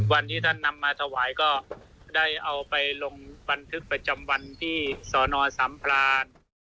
วันที่ท่านนำมาถวายก็ได้เอาไปลงบันทึกประจำวันที่สอนอสัมพราน